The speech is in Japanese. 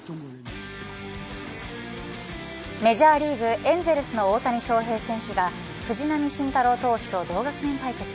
メジャーリーグ、エンゼルスの大谷翔平選手が藤浪晋太郎投手と同学年対決。